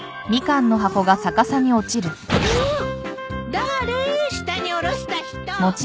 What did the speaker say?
誰下に下ろした人。